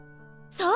そう！